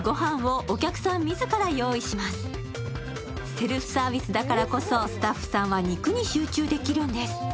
セルフサービスだからこそ、スタッフさんは肉に集中できるんです。